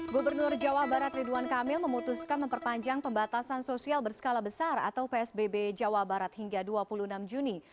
gubernur jawa barat ridwan kamil memutuskan memperpanjang pembatasan sosial berskala besar atau psbb jawa barat hingga dua puluh enam juni